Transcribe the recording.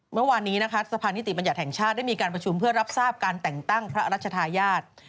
เมื่อวานนี้นะคะสะพานิติบัญญัติแห่งชาติได้มีการประชุมเพื่อรับทราบการแต่งตั้งพระราชทายาท